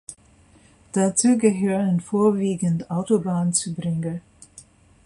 Dazu gehören vorwiegend Autobahnzubringer.